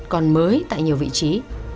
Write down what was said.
còn mới tại nhiều vị trí